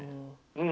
うん。